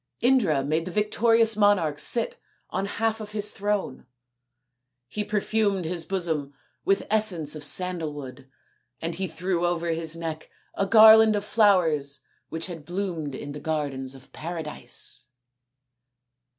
Indra made the victorious monarch sit on half of his throne ; he perfumed his bosom with essence of sandal wood ; and he threw over his neck a garland of flowers which had bloomed in the gardens of Paradise.